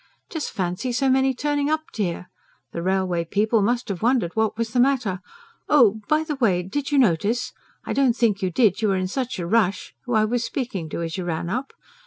"Just fancy so many turning up, dear. The railway people must have wondered what was the matter. Oh, by the way, did you notice I don't think you did, you were in such a rush who I was speaking to as you ran up?